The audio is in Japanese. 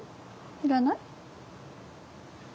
要らない？